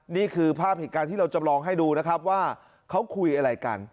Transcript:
นี่คือภาพเหตุการณ์ที่เราจำลองให้ดูนะครับว่าเขาคุยอะไรกัน